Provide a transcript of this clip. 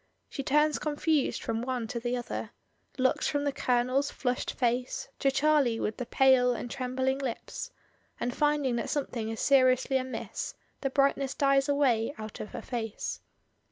She turns confused from one to the other; looks from the Colonel's flushed face to Charlie with the pale and trembling lips, and finding that something is seriously amiss, the brightness dies away out of her face.